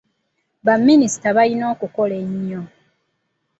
Baminisita balina okukola ennyo.